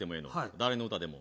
誰の歌でも？